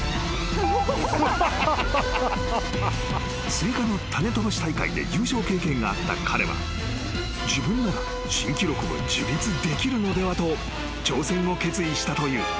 ［スイカの種飛ばし大会で優勝経験があった彼は自分なら新記録を樹立できるのではと挑戦を決意したという。